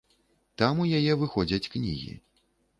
Там у яе выходзяць кнігі.